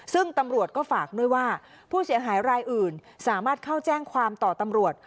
ซึ่งตำรวจก็ฝากด้วยว่าผู้เสียหายรายอื่นสามารถเข้าแจ้งความต่อตำรวจ